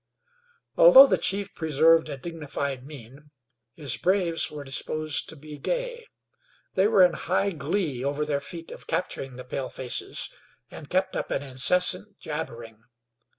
Although the chief preserved a dignified mien, his braves were disposed to be gay. They were in high glee over their feat of capturing the palefaces, and kept up an incessant jabbering.